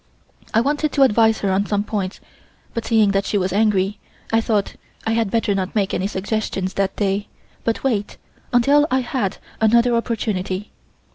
I wanted to advise her on some points, but seeing that she was angry, I thought I had better not make any suggestions that day, but wait until I had another opportunity.